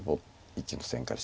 １線から。